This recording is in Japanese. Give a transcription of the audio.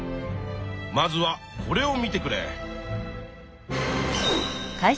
まずはこれを見てくれ。